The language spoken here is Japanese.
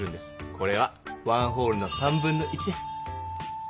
これはワンホールの1/3です。